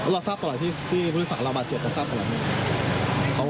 เราทราบตลอดที่ผู้โดยสารระบาดเจ็บ